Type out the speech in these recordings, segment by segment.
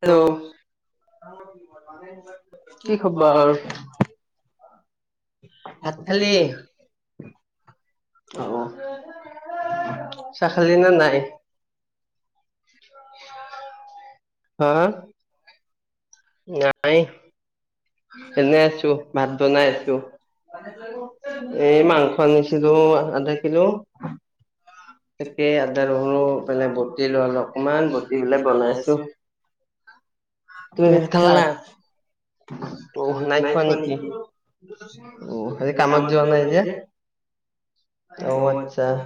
Hello, কি কবা আৰু। ভাত খালি? অঁ চাহ খালি না নাই? হা হা? নাই এনেই আছোঁ, ভাত বনাই আছোঁ। এই মাংস আনিছিলোঁ আজি। হেল্ল' তাকেই আদা, ৰহুনো বতিলো অলপমান, বতি লৈ পেলাই বনাইছোঁ। তুমি ভাত খালা? নাই খোৱা নেকি, আজি কামত যোৱা নাই যে? অ', আচ্ছা,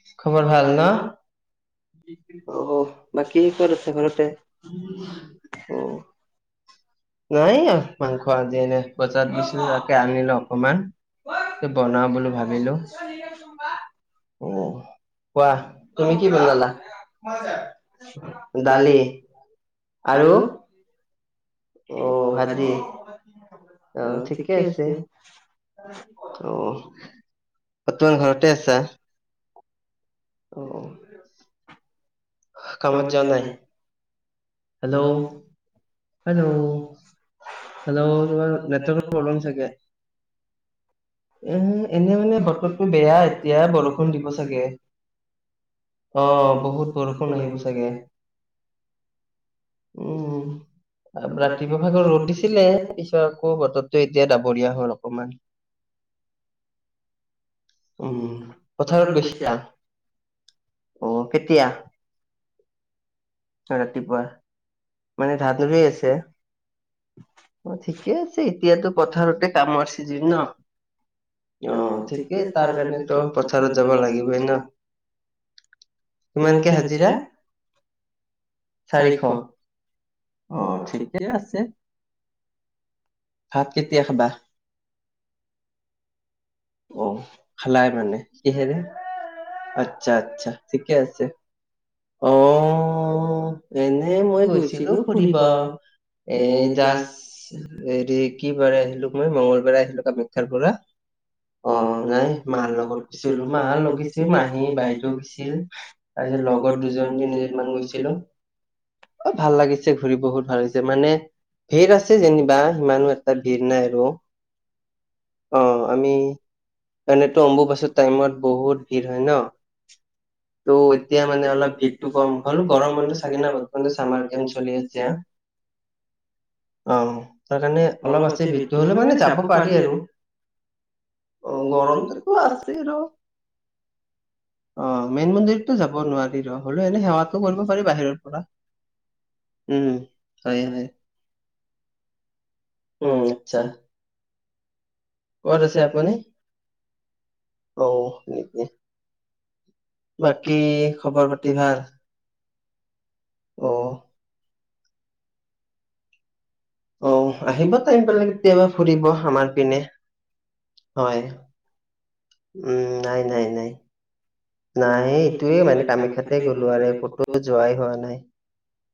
[unintelligible] অ', বাকী ক'ত আছা, ঘৰতে? নাই আৰু মাংস আজি এনে বজাৰত গৈছিলোঁ, তাকে আনিলোঁ অকমান। আজি বন্ধ বুলি ভাবিলোঁ উম। কোৱা, তুমি কি বনালা, দালি? আৰু? উ, ভাজি। অ', ঠিকেই আছে, উম, বৰ্তমান ঘৰতেই আছা? অ' অ'। কামত যোৱা নাই? হেল্ল', হেল্ল' হেল্ল', তোমাৰ নেটৱৰ্কৰ প্ৰব্লেম চাগে। উম, এনেই মানে বতৰটো বেয়া এতিয়া, বৰষুণ দিব চাগে। অ' অ', বহুত বৰষুণ আহিব চাগে। উম। ৰাতিপুৱা ভাগত ৰ'দ দিছিলে, পিছত আকৌ বতৰতো এতিয়া ডাবৰীয়া হ'ল অকমান। উম, পথাৰত গৈছ উম, কেতিয়া? ৰাতিপুৱা, মানে [unintelligible] হৈ আছে। অ', ঠিকেই আছে, এতিয়াতো পথাৰতে কামো আছে যিহেতু ন? অ', ঠিকেই, তাৰ কাৰণেতো পথাৰত যাব লাগিবই না। কিমানকে হাজিৰা? চাৰিশ। অ', ঠিকেই আছে, ভাত কেতিয়া খাবা? অ', খালাই মানে, কিহেৰে, আচ্ছা আচ্ছা, ঠিকেই আছে। অ', এনেই মই গৈছিলোঁ ফুৰিব। এই জাছ, হেৰি কি বাৰে আহিলো মই, মঙ্গলবাৰে আহিলোঁ কামাখ্যাৰ পৰা। অ', নাই, মাৰ লগত গৈছিলোঁ, মা লগত আছিল, মাহী, বাইদেউ গৈছিল। তাৰপিছত লগৰ দুজন, তিনিজন মান গৈছিলোঁ। অ' ভাল লাগিছে, ঘূৰি বহুত ভাল লাগিছে, মানে ভিৰ আছে যেনিবা, সিমানো এটা ভিৰ নাই আৰু। অ', আমি, এনেইতো অম্বুবাচীত টাইমত বহুত ভিৰ হয় ন? ত' এতিয়া মানে অলপ ভিৰটো কম হ'ল, গৰমবন্ধ চাগে ন, চামাৰকেম্প চলি আছে আৰু। অ', তাৰকাৰণে অলপ আছে ভিৰটো, হ'লেও মানে যাব পাৰি আৰু। অ', গৰমটোতো আছেই আৰু। অ', মেইন মন্দিৰতো যাব নোৱাৰিলোঁ, হ'লেও এনেই সেৱাটো কৰিব পাৰি বাহিৰৰ পৰা। উম হয় হয় উম আচ্ছা। কত আছে আপুনি? অ হয় নিকি বাকী খবৰ পাতি ভাল? অহ। অ আহিবা টাইম পালে কেতিয়াবা ফুৰিব আমাৰ পিনে। হয়। উম নাই নাই নাই নাই এইটোয়ে মানে কামাখ্যাতে গ'লো আৰু ক'তো যোৱাই হোৱা নাই।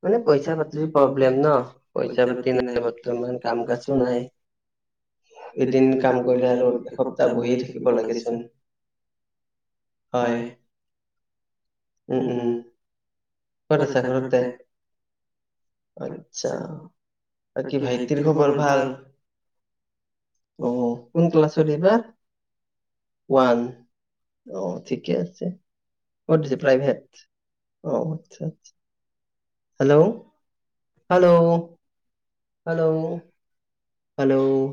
মানে পইচা পাতিৰ প্ৰব্লেম ন। পইচা পাতি নাই বৰ্তমান কাম কাজো নাই। এদিন কাম কৰিলে আৰু এসপ্তাহ বহিয়ে থাকিব লাগেচোন। হয়। উম উম। ক'ত আছা, ঘৰতে? আছা। বাকী ভাইটিৰ খবৰ ভাল? অ, কোন ক্লাছত এইবাৰ? ওৱান অ ঠিকে। ঠিকে আছে, কত দিছে প্ৰাইভেট? অ। আচ্ছা আচ্ছা। হেল্ল'! হেল্ল'! হেল্ল! হেল্ল'!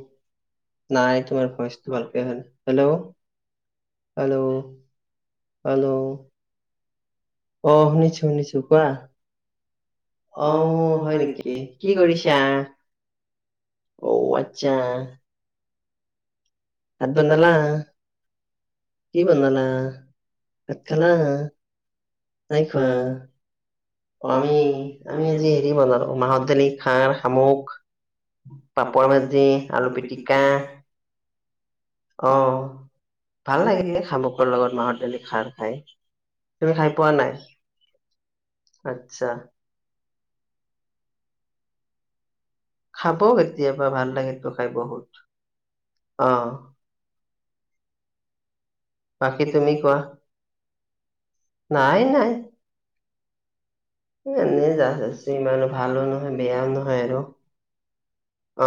নাই তোমাৰ ভইচো ভালকে অহা নাই। হেল্ল'! হেল্ল! হেল্ল! অ শুনিছো শুনিছো কোৱা। অ হয় নেকি। কি কৰিছা? ঔ, আচ্ছা। ভাত বনালা কি বনালা ভাত খালা? নাই খোৱা। অ আমি, আমি আজি হেৰি বনালো মাহৰ দালি, খাৰ, শামুক। পাপৰ ভাজি, আলু পিটিকা। অ ভাল লাগে শামুকৰ লগত মাহৰ ডালি খাৰ খাই। তুমি খাই পোৱা নাই? আচ্ছা খাব কেতিয়াবা ভাল লাগেটো খাই বহুত অ বাকী তুমি কোৱা। নাই নাই। এ এনেই জাষ্ট আছো ইমানো ভালো নহয় বেয়াও নহয় আৰু। অ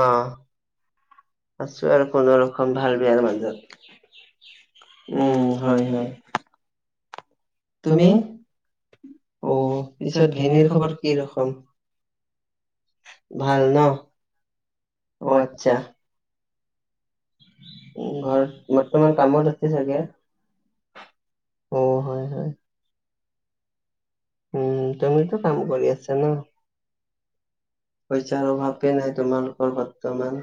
আছো আৰু কোনো ৰকম ভাল বেয়াৰ মাজত। উম, হয় হয়। তুমি অ পিছত ধেনিৰ খবৰ কি ৰকম? ভাল ন, অ আচ্ছা। উম ঘৰত বৰ্তমান কামত আছে চাগে? অ হয় হয়। উম তুমিতো কাম কৰি আছা ন। পইচাৰ অভাৱ নাই তোমালোকৰ বৰ্তমান।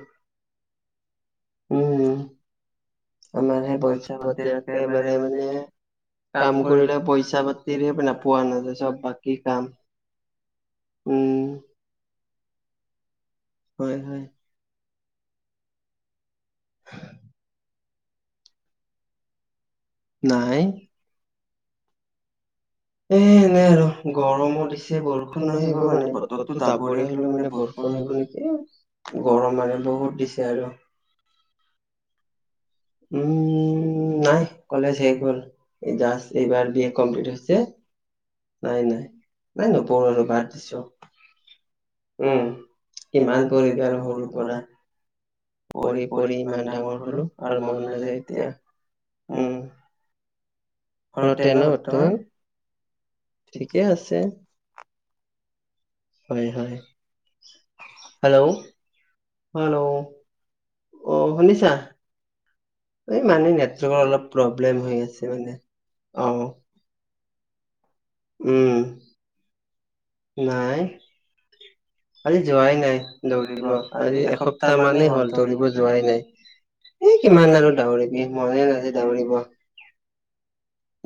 উম আমাৰ হে পইচা একেবাৰে মানে কাম কৰিলে পইচা পাতিৰে মানে পোৱা নাযায়। চব বাকী কাম। উম। হয়, হয়। নাই। এ এনে আৰু গৰমো দিছে বৰষুণ আহিব মানে বতৰটো ডাবৰীয়া হ'লেও মানে বৰষুণ পিব নেকি গৰম মানে বহুত দিছে আৰু। উম। উম নাই, কলেজ হৈ গ'ল এই জাষ্ট এইবাৰ বি এ কমপ্লিট হৈছে। নাই, নাই, নাই নপঢ়ো আৰু বাদ দিছোঁ। উম কিমান পঢ়িবি আৰু সৰুৰ পৰা। পঢ়ি, পঢ়ি ইমান ডাঙৰ হলোঁ আৰু মন নাযায় এতিয়া, উম। ঘৰতে ন বৰ্তমান। ঠিকে আছে। হয় হেল্ল', হেল্ল'। অ', শুনিছা। এই মানে নেটৱৰ্কৰ অলপ প্ৰব্লেম হৈ আছে মানে অ'। উম। নাই। আজি যোৱাই নাই দৌৰিব আজি এসপ্তাহ মানেই হ'ল দৌৰিব যোৱাই নাই। এ কিমান আৰু দাউৰিব মনে নযায় দাউৰিব।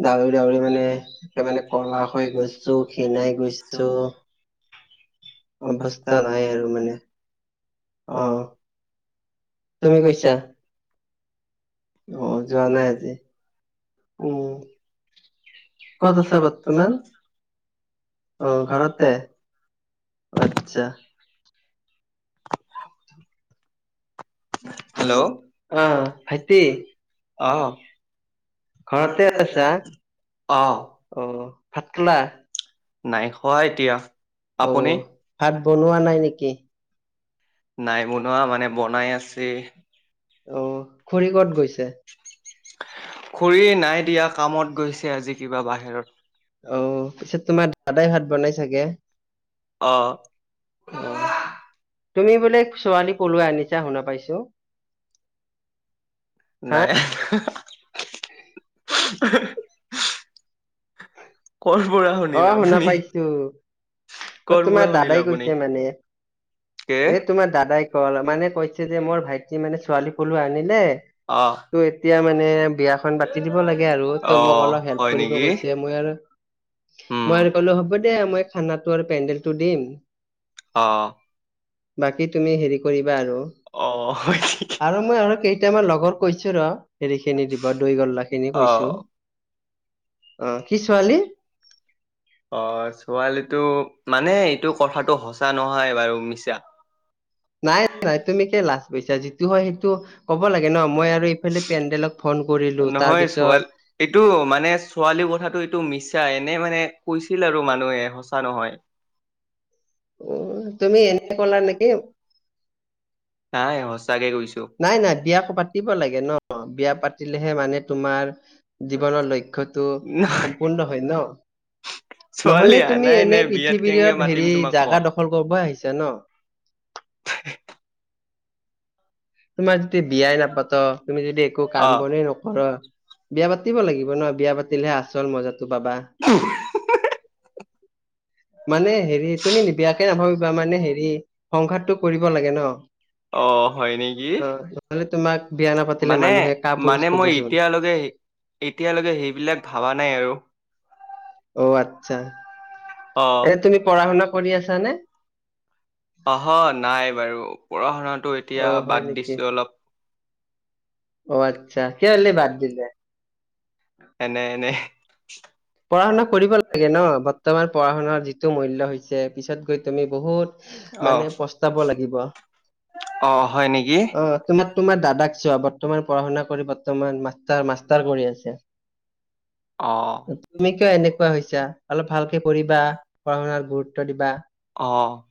দাউৰি দাউৰি মানে একে মানে কলা হৈ গৈছোঁ খীণাই গৈছোঁ অৱস্থা নাই আৰু মানে অ'। তুমি গৈছা। অহ যোৱা নাই আজি উম। ক'ত আছে বৰ্তমান? অ', ঘৰতে আচ্ছা। হ [inaudible] হেল্ল' আ ভাইটি অহ। ঘৰতে আছা অ', ভাত খালা? অ', ভাত বনোৱা নাই নেকি। নাই বনোৱা, মানে বনাই আছে। খুৰি নাই দিয়া কামত গৈছে আজি কিবা বাহিৰত অ', পিছেত তোমাৰ দাদাই ভাত বনাই চাগে। অ'। অ', তুমি বোলে ছোৱালী পলুৱাই নিছা শুনা পাইছোঁ। [inaudible] নাই। অ', শুনা পাইছোঁ অ তোমাৰ দাদাই কৈছে মানে। এ তোমাৰ দাদাই কল মানে কৈছে যে মোৰ ভাইটি মানে ছোৱালী ফলো আনিলে। অহ। ত' এতিয়া মানে বিয়াখন পাতি দিব লাগে আৰু ত' মোক অলপ হেল্প কৰিব কৈছে মই আৰু মই আৰু কলো হ'ব দে মই খানাটো আৰু পেণ্ডেলটো দিম। অ'। বাকী তুমি হেৰি কৰিবা আৰু আৰু মই কেইটামান লগৰ কৈছোঁ ৰ হেৰি খিনি দিব দৈ গল্লা খিনি কৈছোঁ। অ', কি ছোৱালী? অ', ছোৱালীটো মানে এইটো কথাতটো সঁচা নহয় বাৰু মিছা। নাই নাই, তুমি কেলে লাছ কৰিছা? যিটো টো হয়, সেইটো ক'ব লাগে ন, মই আৰু এইফালে পেণ্ডেলক ফোন কৰিলো, তাৰপিছত এইটো মানে ছোৱালীৰ কথাটো এইটো মিছা, এনে মানে কৈছিল আৰু মানুহে, সঁচা নহয়। উম, তুমি এনে কলা নেকি? নাই, সঁচাকে কৈছোঁ। নাই নাই, বিয়াখন পাতিব লাগে ন, বিয়া পাতিলেহে মানে তোমাৰ জীৱনৰ লক্ষ্যতো সম্পূৰ্ণ হয় ন। নহলে তুমি এনে পৃথিৱীত হেৰি, জাগা দখল কৰিব আহিছা ন। [unintelligible] তোমাৰ যদি বিয়াই নাপাত, তুমি যদি একো কাম বনেই নকৰ' বিয়া পাতিব লাগিব ন, বিয়া পাতিলেহে আচল মজাটো পাবা। মানে হেৰি তুমি বেয়াকে নাভাবিবা, মানে হেৰি সংসাৰটো কৰিব লাগে ন। অ', হয় নে অ', নহলে তোমাক মানে, মানে মই এতিয়ালৈকে, এতিয়ালৈকে সেইবিলাক ভাবা নাই আৰু। অ', আচ্ছা, এতিয়া তুমি পঢ়া শুনা কৰি আছানে? পঢ়া নাই বাৰু, পঢ়া শুনা এতিয়া বাদ দিছো অলপ। অ', আচ্ছা, কিহলে বাদ দিলা? এনেই, এনেই। পঢ়া শুনা কৰিব লাগে ন, বৰ্তমান পঢ়া শুনাৰ যিটো মূল্য হৈছে, পিছত গৈ তুমি বহুত মানে পস্তাব লাগিব, অ', তোমাৰ তোমাৰ দাদাক চোৱা, বৰ্তমান পঢ়া শুনা কৰি বৰ্তমান মাষ্টাৰ, মাষ্টাৰ কৰি আছে। অ'। তুমি কিয় এনেকুৱা হৈছা? অলপ ভালকে পঢ়িবা, পঢ়া শুনাত গুৰুত্ব দিবা। অ'।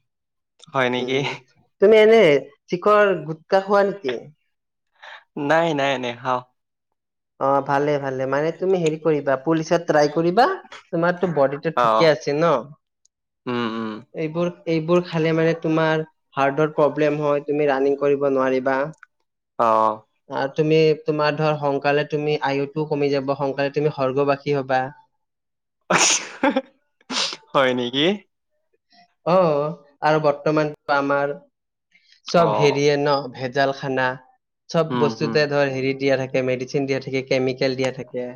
উম, তুমি এনে শিখৰ গুটকা খোৱা নেকি? নাই নাই, নেখাওঁ। অ', ভালেই ভালেই, মানে তুমি হেৰি কৰিবা, পুলিচত ট্ৰাই কৰিবা। তোমাৰতো বডিটো ঠিকেই আছে ন। এইবোৰ, এইবোৰ খালে মানে তোমাৰ হাৰ্টৰ প্ৰব্লেম হয়, তুমি ৰাণিং কৰিব নোৱাৰিবা। অ'। আৰু তুমি তোমাৰ ধৰ, সোনকালে তুমি আয়ুটোও কমি যাব, সোনকালে তুমি সৰ্গবাসী হ'বা। [unintelligible] হয় নেকি? অ', আৰু বৰ্তমান আমাৰ চব হেৰিয়েই ন, ভেন জাল খানা, চব বস্তুতে ধৰ হেৰি দিয়া থাকে। মেডিচিন দিয়া থাকে, কেমিকেল দিয়া থাকে।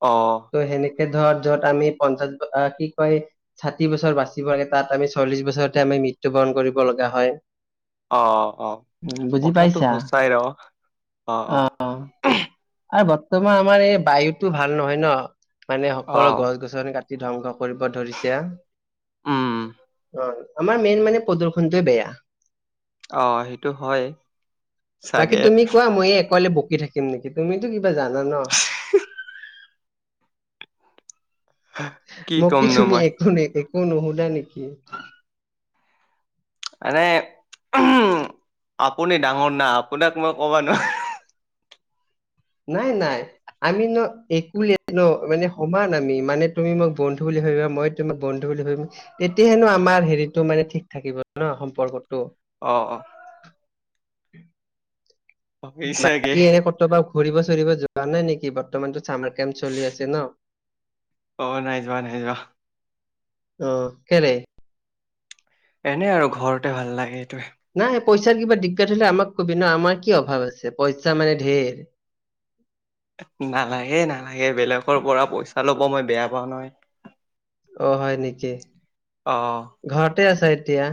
অ'। ত' সেনেকে ধৰ, যত আমি পঞ্চাশ, কি কয় ষাঠি বছৰ বাচিব তাত আমি চল্লিশ বছৰতে আমি মৃত্যুৰ বৰণ কৰিব লগা হয়। অ', অ', অ', কথাটো সচাই ন, অ', অ'। আৰু বৰ্তমান আমাৰ এই বায়ুতো ভাল নহয় ন, মানে সকলো গছ গছনি কাটি ধ্বংস কৰিব ধৰিছে, অ'। আমাৰ মেইন মানে, প্ৰদূষণটোৱেই বেয়া। অ' সেইটো হয় চাগে। কি নেকি? তুমিতো কিবা জানা ন? মোক কি তুমি একো ন একো নুশুধা নেকি? এনে উ আপুনি ডাঙৰ না আপোনাক মই ক'বা নোৱাৰিম। নাই, নাই। আমি ন একুবে কিয় ন মানে সমান আমি মানে তুমি মোক বন্ধু বুলি ভাবিবা। মই তোমাক বন্ধু বুলি ভাবিম। তেতিয়া হেনো আমাৰ হেৰিতটো মানে ঠিক থাকিব ন সম্পৰ্কটো। অঁ, অঁ। বাকী এনে কতোবা ঘুৰিব চুৰিব যোৱা নাই নেকি? বৰ্তমানতো চামাৰ কেম্প চলি আছে ন? অ' নাই যোৱা, নাই যোৱা। অ' কেলেই? এনে আৰু ঘৰতে ভাল লাগে এইটোৱে। নাই পইচাৰ কিবা দিগদাৰ হ'লে আমাক কবি ন? আমাৰ কি অভাৱ আছে পইচা মানে ঢে'ৰ। নালাগে, নালাগে বেলেগৰ পৰা পইচা ল'ব মই বেয়া পাওঁ নহয়। অ', হয় নেকি, ঘৰতে আছে এতিয়া?